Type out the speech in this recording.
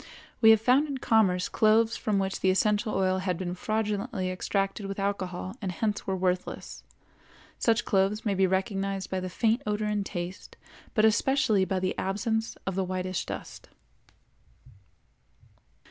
We have found in commerce cloves from which the essential oil had been fraudulently extracted with alcohol and hence were worthless; such cloves may be recognized by the faint odor and taste, but especially by the absence of the whitish dust.